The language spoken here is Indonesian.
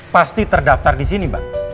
pasti terdaftar di polisi